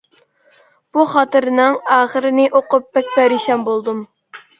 بۇ خاتىرىنىڭ ئاخىرىنى ئوقۇپ بەك پەرىشان بولدۇم.